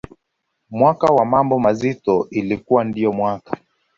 mwaka wa mambo mazito ilikuwa ndiyo mwaka